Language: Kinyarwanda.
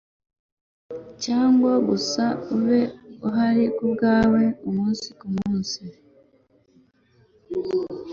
cyangwa gusa ube uhari kubwawe umunsi kumunsi